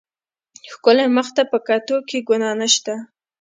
ښکلي مخ ته په کتو کښې ګناه نشته.